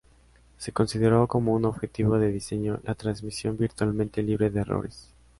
Se consideró como un objetivo de diseño la transmisión virtualmente libre de errores.